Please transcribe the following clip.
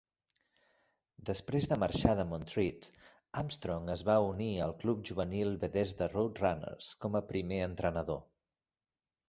Després de marxar de Montreat, Armstrong es va unir al club juvenil Bethesda Roadrunners com a primer entrenador.